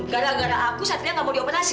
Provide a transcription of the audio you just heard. gara gara aku satria nggak mau dioperasi